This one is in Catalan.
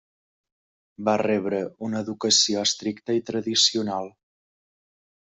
Va rebre una educació estricta i tradicional.